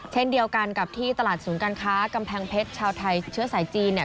เช่นเดียวกันกับที่ตลาดศูนย์การค้ากำแพงเพชรชาวไทยเชื้อสายจีนเนี่ย